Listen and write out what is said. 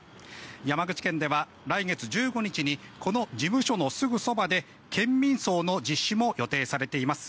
山口県では来月１５日にこの事務所のすぐそばで県民葬の実施も予定されています。